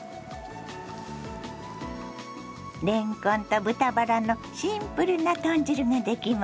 れんこんと豚バラのシンプルな豚汁ができました。